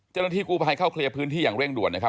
เจ้าหน้าที่กู้ภัยเข้าเคลียร์พื้นที่อย่างเร่งด่วนนะครับ